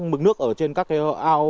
mực nước ở trên các cái ao